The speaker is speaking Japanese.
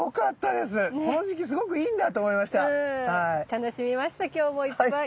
楽しみました今日もいっぱい。